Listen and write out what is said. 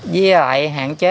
với lại hạn chế